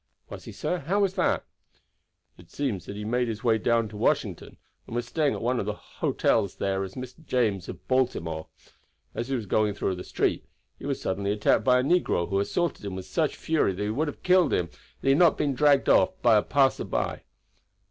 "Was he, sir? How was that?" "It seems that he had made his way down to Washington, and was staying at one of the hotels there as a Mr. James of Baltimore. As he was going through the street he was suddenly attacked by a negro, who assaulted him with such fury that he would have killed him had he not been dragged off by passers by.